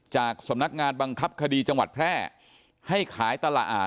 จากสำนักงานบังคับคดีจังหวัดแพร่ให้ขายตลาดอ่า